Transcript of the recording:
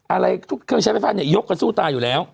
อะไรทุกเครื่องใช้ไฟฟ้าเนี่ยยกกันสู้ตายอยู่แล้ว